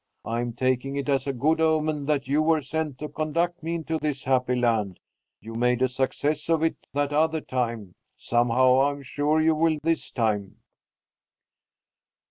I am taking it as a good omen that you were sent to conduct me into this happy land. You made a success of it that other time; somehow I'm sure you will this time."